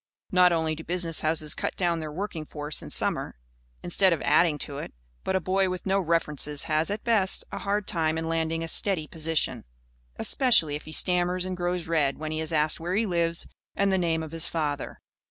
Not only do business houses cut down their working force in summer, instead of adding to it; but a boy with no references has, at best, a hard time in landing a steady position, especially if he stammers and grows red when he is asked where he lives and the name of his father.